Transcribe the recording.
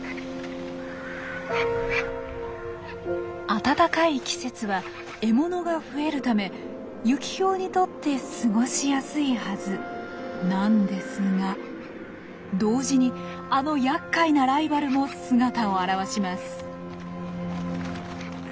暖かい季節は獲物が増えるためユキヒョウにとって過ごしやすいはずなんですが同時にあのやっかいなライバルも姿を現します。